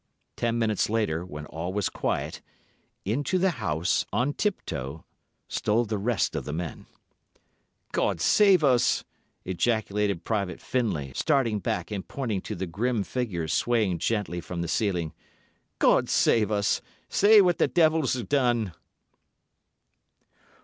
Ten minutes later, when all was quiet, into the house, on tip toe, stole the rest of the O——s. "God save us!" ejaculated Private Findlay, starting back and pointing to the grim figures swaying gently from the ceiling. "God save us! Sae what the deils hae done!"